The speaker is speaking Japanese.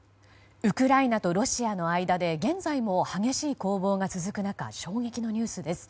ウクライナとロシアの間で現在も激しい攻防が続く中衝撃のニュースです。